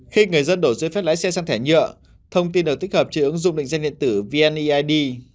khi người dân đổ giấy phép lái xe sang thẻ nhựa thông tin được tích hợp trên ứng dụng định danh điện tử vneid